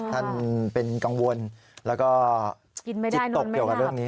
ท่านเป็นกังวลแล้วก็จิตตกเกี่ยวกับเรื่องนี้